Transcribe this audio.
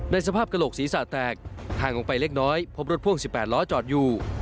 สภาพกระโหลกศีรษะแตกห่างออกไปเล็กน้อยพบรถพ่วง๑๘ล้อจอดอยู่